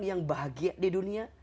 yang bahagia di dunia